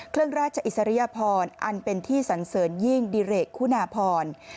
เครื่องราชอิสริยพรอันเป็นที่สันเสริญยิ่งดิเรกคุณาพร